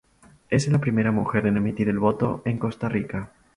Es la primera mujer en emitir el voto en Costa Rica.